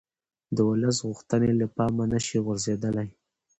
د ولس غوښتنې له پامه نه شي غورځېدلای